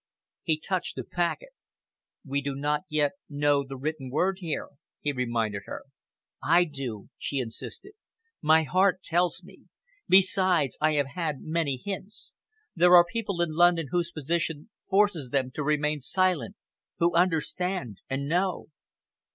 He touched the packet. "We do not yet know the written word here," he reminded her. "I do," she insisted. "My heart tells me. Besides, I have had many hints. There are people in London whose position forces them to remain silent, who understand and know."